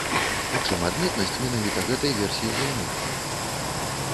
У чым адметнасць менавіта гэтай версіі гульні?